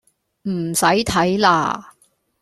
唔使睇喇